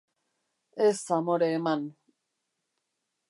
Ez amore eman.